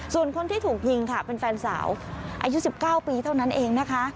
ส่วนคนที่ถูกยิงค่ะเป็นแฟนสาวอายุ๑๙ปีเท่านั้นเองนะคะ